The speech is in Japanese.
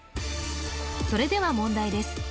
それでは問題です